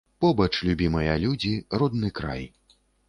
Побач любімыя людзі, родны край.